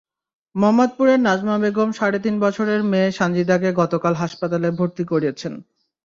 মোহাম্মদপুরের নাজমা বেগম সাড়ে তিন বছরের মেয়ে সানজিদাকে গতকাল হাসপাতালে ভর্তি করেছেন।